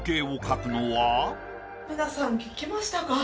皆さん聞きましたか？